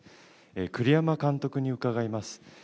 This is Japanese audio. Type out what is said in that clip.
栗山監督に伺います。